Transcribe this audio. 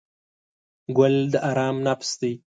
ګل د آرام نفس دی.